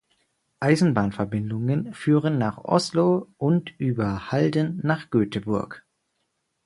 Eisenbahnverbindungen führen nach Oslo und über Halden nach Göteborg.